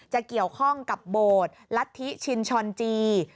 จะเกี่ยวข้องกับโบสถ์ลัทธิชินชอนจี